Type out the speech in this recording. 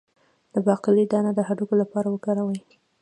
د باقلي دانه د هډوکو لپاره وکاروئ